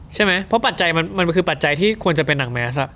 ใช่ไหมเพราะปัจจัยมันคือปัจจัยที่ควรจะเป็นนางแมส